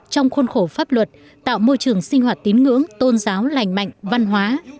trong khuôn khổ pháp luật tạo môi trường sinh hoạt tín ngưỡng tôn giáo lành mạnh văn hóa